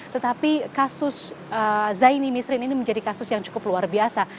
tetapi kasus zaini misrin ini menjadi kasus yang cukup luar biasa